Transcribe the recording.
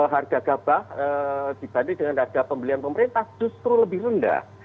harga gabah dibanding dengan harga pembelian pemerintah justru lebih rendah